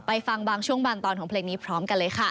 ฟังบางช่วงบางตอนของเพลงนี้พร้อมกันเลยค่ะ